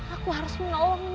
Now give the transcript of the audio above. aku harus menolongnya